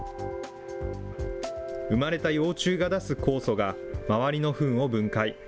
生まれた幼虫が出す酵素が、周りのふんを分解。